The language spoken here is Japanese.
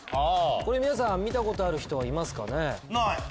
これ見たことある人はいますかね？